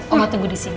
ongo tunggu disini ya